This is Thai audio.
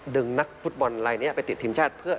ดึงนักฟุตบอลอะไรนี้ไปติดทีมชาติ